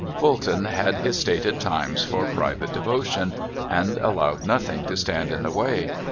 " Fulton had his stated times for private devotion, and allowed nothing to stand in the way.